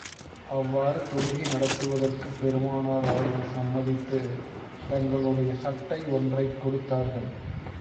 அவ்வாறு தொழுகை நடத்துவதற்குப் பெருமானார் அவர்கள் சம்மதித்து, தங்களுடைய சட்டை ஒன்றைக் கொடுத்தார்கள்.